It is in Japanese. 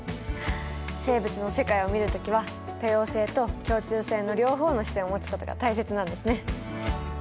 生物の世界を見る時は多様性と共通性の両方の視点をもつことが大切なんですね。